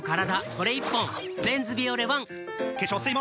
これ１本「メンズビオレＯＮＥ」